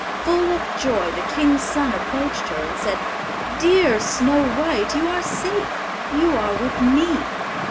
Full of joy, the king's son approached her, and said, "Dear Snow white, you are safe; you are with me."